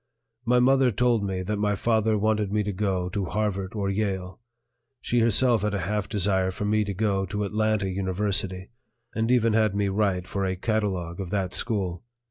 My mother told me that my father wanted me to go to Harvard or Yale; she herself had a half desire for me to go to Atlanta University, and even had me write for a catalogue of that school.